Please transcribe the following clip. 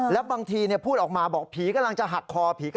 แล้วบางทีพูดออกมาบอกผีกำลังจะหักคอผี